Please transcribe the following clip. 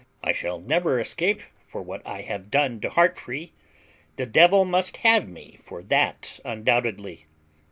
I shall never escape for what I have done to Heartfree. The devil must have me for that undoubtedly.